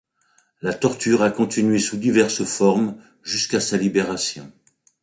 La torture a continué sous diverses formes, jusqu'à sa libération.